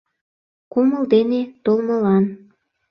— Кумыл дене толмылан